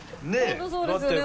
本当そうですよね